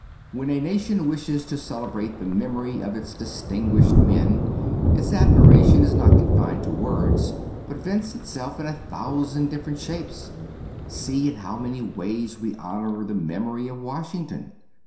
When a nation wishes to celebrate the memory of its distinguished men its admiration is not confined to words, but vents itself in a thousand different shapes. See in how many ways we honor the memory of Washington.